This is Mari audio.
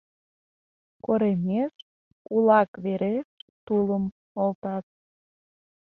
Коремеш, улак вереш, тулым олтат.